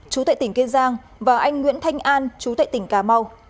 trú tại tỉnh kiên giang và anh nguyễn thanh an trú tại tỉnh cà mau